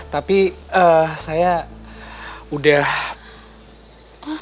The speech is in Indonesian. tapi saya udah